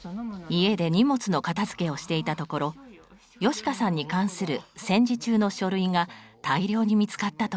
家で荷物の片づけをしていたところ芳香さんに関する戦時中の書類が大量に見つかったといいます。